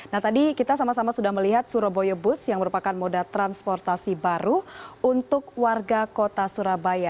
nah tadi kita sama sama sudah melihat surabaya bus yang merupakan moda transportasi baru untuk warga kota surabaya